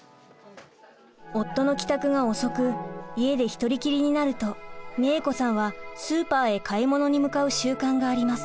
夫の帰宅が遅く家で一人きりになるとみえ子さんはスーパーへ買い物に向かう習慣があります。